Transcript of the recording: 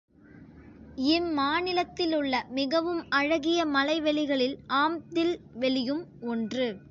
இம் மா நிலத்திலுள்ள மிகவும் அழகிய மலைவெளிகளில் ஆம்ப்தில் வெளியும் ஒன்று.